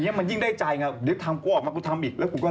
เขาจะได้ไม่กล้า